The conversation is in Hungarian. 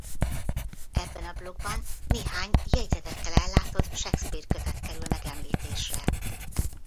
Ebben a blokkban néhány jegyzetekkel ellátott Shakespeare kötet kerül megemlítésre.